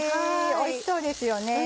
おいしそうです。